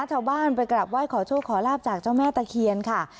ชาวบ้านไปกลับไห้ขอโชคขอลาบจากเจ้าแม่ตะเคียนค่ะ